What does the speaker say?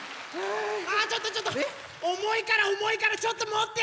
あちょっとちょっとおもいからおもいからちょっともって！